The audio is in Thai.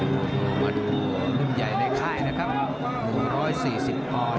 มันมีลุ่มใหญ่ในค่ายนะครับ๑๔๐พอด